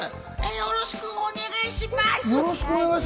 よろしくお願いします。